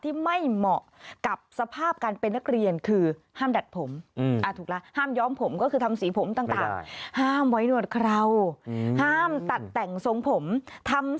ที่ไม่เหมาะกับสภาพการเป็นนักเรียนคือห้ามดัดผม